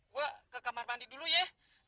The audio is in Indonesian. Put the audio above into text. gue ke kamar mandi dulu ya